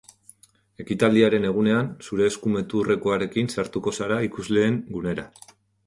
Ekitaldiaren egunean, zure eskumuturrekoarekin sartuko zara ikusleen gunera.